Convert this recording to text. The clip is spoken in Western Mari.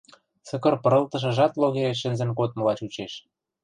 Сыкыр пырылтышыжат логереш шӹнзӹн кодмыла чучеш.